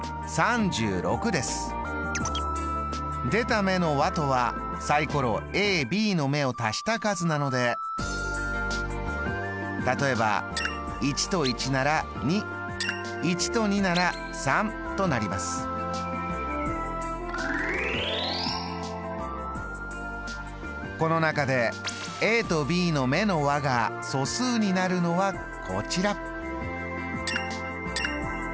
出た目の和とはサイコロＡＢの目を足した数なので例えばこの中でＡとＢの目の和が素数になるのはこちら。